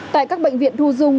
tại các bệnh viện thu dụng